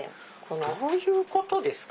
どういうことですか？